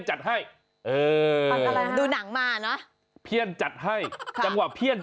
เฮ้ยเดี๋ยว